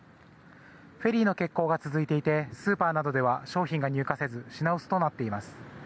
フェリーの欠航が続いていてスーパーなどでは商品が入荷せず品薄となっています。